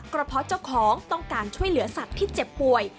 ก็เพราะเจ้าของต้องการช่วยเหลือสัตว์ที่เจ็บป่วย